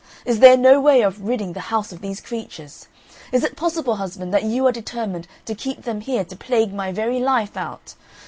Is there no way of ridding the house of these creatures? Is it possible, husband, that you are determined to keep them here to plague my very life out?